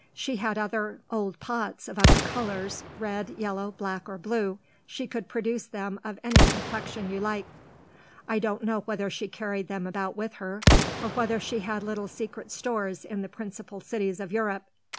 She had other old pots, of other colours, red, yellow, black, or blue she could produce them of any complexion you liked. I don't know whether she carried them about with her or whether she had little secret stores in the principal cities of Europe.